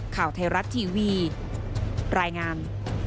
ข่าวไทยรัฐทีวีรายงาน